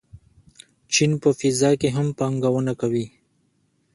چین په فضا کې هم پانګونه کوي.